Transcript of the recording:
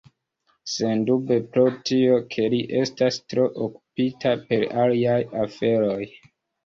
Sendube pro tio, ke li estas tro okupita per aliaj aferoj.